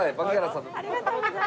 ありがとうございます。